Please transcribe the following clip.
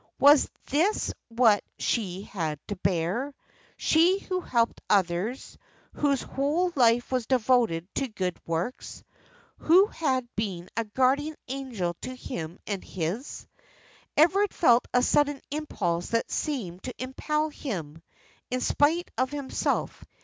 Was this what she had to bear? she, who helped others, whose whole life was devoted to good works! who had been a guardian angel to him and his! Everard felt a sudden impulse that seemed to impel him, in spite of himself.